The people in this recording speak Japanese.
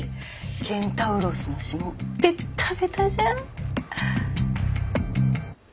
ケンタウロスの指紋ベッタベタじゃん。